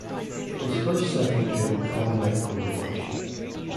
It was first settled during the Klondike Gold Rush.